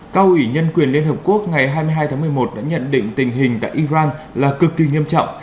cao ủy nhân quyền liên hợp quốc ngày hai mươi hai tháng một mươi một đã nhận định tình hình tại iran là cực kỳ nghiêm trọng